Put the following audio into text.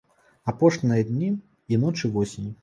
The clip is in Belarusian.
Апошнія дні і ночы восені!